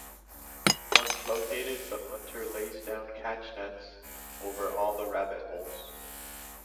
Once located the hunter lays down catch-nets over all the rabbit holes.